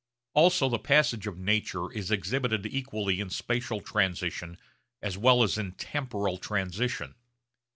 Also the passage of nature is exhibited equally in spatial transition as well as in temporal transition.